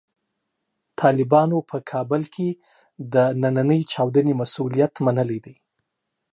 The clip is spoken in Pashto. طالبانو په کابل کې د نننۍ چاودنې مسوولیت منلی دی.